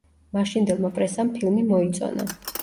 მაშინდელმა პრესამ ფილმი მოიწონა.